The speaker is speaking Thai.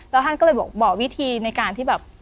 แล้วท่านก็เลยบอกวิธีในการที่แบบ